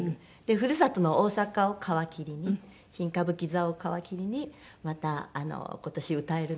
故郷の大阪を皮切りに新歌舞伎座を皮切りにまた今年歌えるので。